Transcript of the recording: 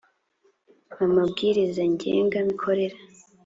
m amabwiriza ngenga mikorere